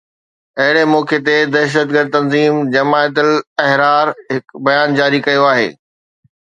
اهڙي موقعي تي دهشتگرد تنظيم جماعت الاحرار هڪ بيان جاري ڪيو آهي